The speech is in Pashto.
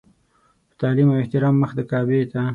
په تعلیم او احترام مخ د کعبې ته.